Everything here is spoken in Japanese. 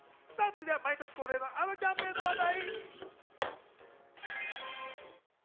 続いては、毎年恒例のあのキャンペーンの話題。